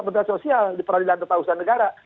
keputusan sosial diperadilan ketausahaan negara